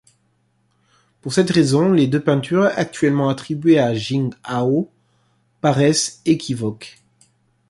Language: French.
Pour cette raison, les deux peintures actuellement attribuées à Jing Hao paraissent équivoques.